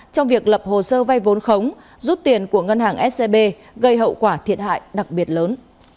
trong việc lập hồ sơ vay vốn khống rút tiền của ngân hàng scb gây hậu quả thiệt hại đặc biệt lớn